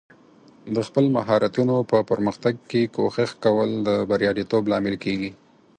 د خپل مهارتونو په پرمختګ کې کوښښ کول د بریالیتوب لامل کیږي.